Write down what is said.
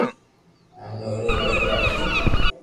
ھين اوري ايلائي راکي